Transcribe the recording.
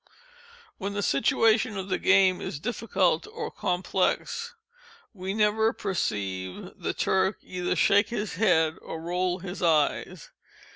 When the situation of the game is difficult or complex, we never perceive the Turk either shake his head or roll his eyes.